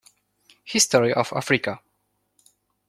History of Africa.